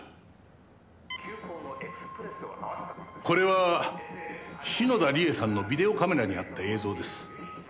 これは篠田理恵さんのビデオカメラにあった映像です。